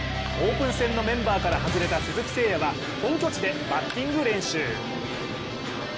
オープン戦のメンバーから外れた鈴木誠也は本拠地でバッティング練習。